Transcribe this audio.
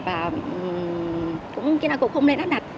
và cũng không nên áp đặt